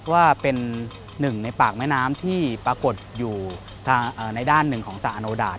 ว่าเป็นหนึ่งในปากแม่น้ำที่ปรากฏอยู่ในด้านหนึ่งของสระอโนดาต